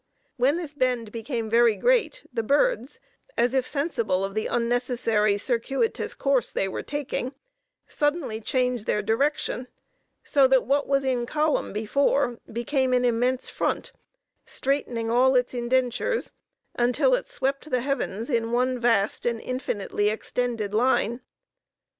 When this bend became very great the birds, as if sensible of the unnecessary circuitous course they were taking, suddenly changed their direction, so that what was in column before, became an immense front, straightening all its indentures, until it swept the heavens in one vast and infinitely extended line.